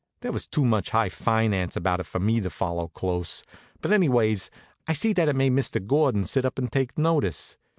There was too much high finance about it for me to follow close; but anyways I seen that it made Mr. Gordon sit up and take notice.